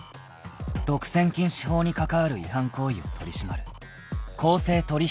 ［独占禁止法に関わる違反行為を取り締まる］